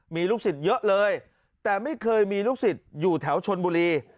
มีลูกศิษย์เยอะเลยแต่ไม่เคยมีลูกศิษย์อยู่แถวชนบุรี